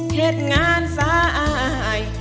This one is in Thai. เทศงานสาย